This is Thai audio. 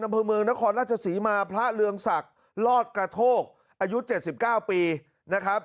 อำเภอเมืองนครราชศรีมาพระเรืองศักดิ์ลอดกระโทกอายุ๗๙ปีนะครับ